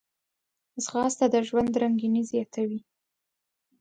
ځغاسته د ژوند رنګیني زیاتوي